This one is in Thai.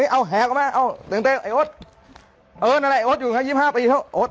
เอาแหล่งเข้ามาเออเต็มไอ้โอ๊ดเออแหละโอ๊ดอยู่๒๕ปีเดี๋ยวโอ๊ด